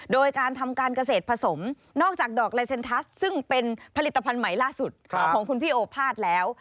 โดยการทำการเกษตรผสมนอกจากดอกลายเซ็นทัสซึ่งเป็นผลิตภัณฑ์ใหม่ล่าสุดของคุณพี่โอภาษแล้ว